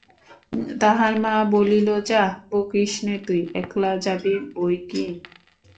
তাহার মা বলিল, যাঃ, বকিস নে তুই, একলা যাবি বই কি?